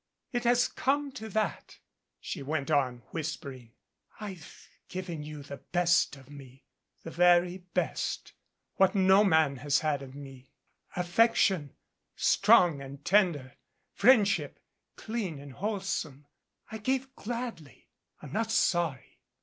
It has come to that," she went on, whis pering. "I've given you the best of me, the very best, what no man has had of me, affection, strong and tender, 261 MADCAP friendship, clean and wholesome. I gave gladly. I'm not sorry.